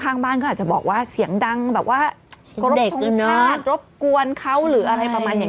ข้างบ้านก็อาจจะบอกว่าเสียงดังแบบว่ากรบกวนเขาหรืออะไรประมาณอย่าง